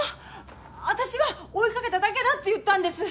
私は追い掛けただけだって言ったんです。